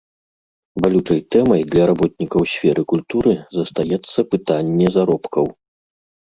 Балючай тэмай для работнікаў сферы культуры застаецца пытанне заробкаў.